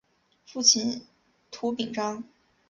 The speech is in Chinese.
父亲涂秉彰。